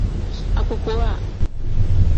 Agbokpowa.